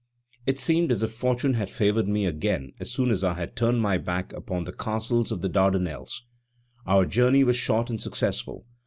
It seemed as if fortune had favored me again as soon as I had turned my back upon the Castles of the Dardanelles. Our journey was short and successful.